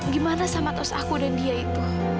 gimana sama tos aku dan dia itu